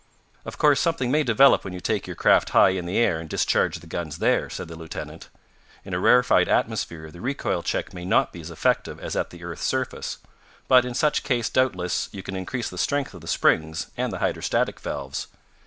"Of course something may develop when you take your craft high in the air, and discharge the guns there," said the lieutenant. "In a rarefied atmosphere the recoil check may not be as effective as at the earth's surface. But, in such case doubtless, you can increase the strength of the springs and the hydrostatic valves."